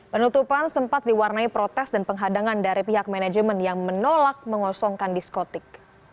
penutupan sempat diwarnai protes dan penghadangan dari pihak manajemen yang menolak mengosongkan diskotik